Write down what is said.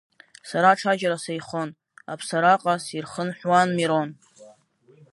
Сара ҽаџьара сеихон, Аԥсара-ҟа сирхынҳәуан Мирон.